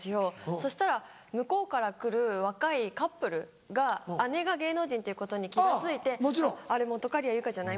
そしたら向こうから来る若いカップルが姉が芸能人ということに気が付いて「あれ本仮屋ユイカじゃない？」